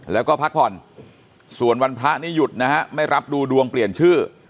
แล้วก็พักผ่อนส่วนวันพระนี่หยุดนะฮะไม่รับดูดวงเปลี่ยนชื่อ